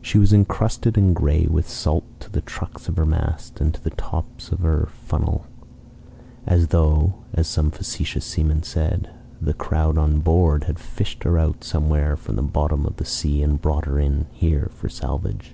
She was incrusted and gray with salt to the trucks of her masts and to the top of her funnel; as though (as some facetious seaman said) "the crowd on board had fished her out somewhere from the bottom of the sea and brought her in here for salvage."